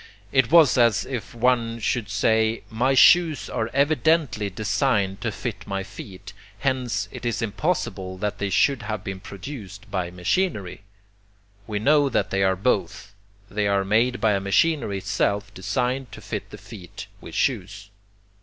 It was as if one should say "My shoes are evidently designed to fit my feet, hence it is impossible that they should have been produced by machinery." We know that they are both: they are made by a machinery itself designed to fit the feet with shoes.